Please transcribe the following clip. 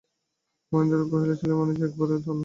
মহেন্দ্র কহিল, ছেলেমানুষি একেবারেই বন্ধ।